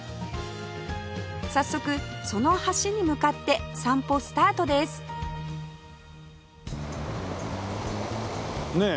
早速その橋に向かって散歩スタートですねえ。